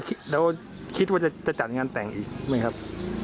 แล้วคิดว่าจะจัดงานแต่งอีกไหมครับ